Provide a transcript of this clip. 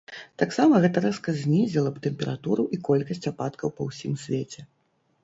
Таксама гэта рэзка знізіла б тэмпературу і колькасць ападкаў па ўсім свеце.